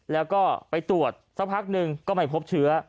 แล้วก็ไปตรวจสักพักหนึ่งก็ไม่พบเชื้อ